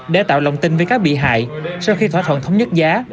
để tạo lòng tin với các bị hại sau khi thỏa thuận thống nhất giá